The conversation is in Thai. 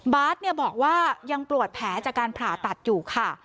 บอกว่ายังปวดแผลจากการผ่าตัดอยู่ค่ะ